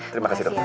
terima kasih dokter